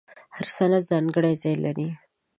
هر سند ځانګړی ځای لري.